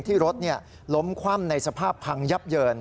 ที่รถล้มคว่ำในสภาพพังยับเยิน